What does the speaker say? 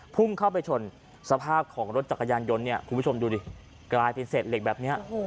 พุ่งเข้าไปชนสภาพของรถจักรยานยนต์เนี่ยคุณผู้ชมดูดิกลายเป็นเศษเหล็กแบบนี้